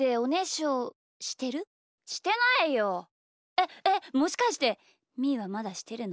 えっえっもしかしてみーはまだしてるの？